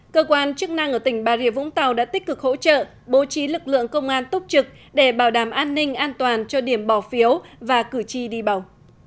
cơ quan chức năng ở tỉnh bà rịa vũng tàu đã tích cực hỗ trợ bố trí lực lượng công an túc trực để bảo đảm an ninh an toàn cho điểm bỏ phiếu và cử tri đi bầu